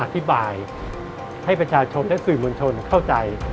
อธิบายให้ประชาชนและสื่อมวลชนเข้าใจ